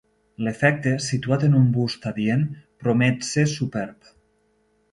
L'efecte, situat en un bust adient, promet ser superb.